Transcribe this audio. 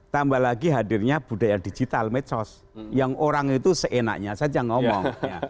tambah lagi hadirnya budaya digital mecos yang orang itu seenaknya saya jangan ngomong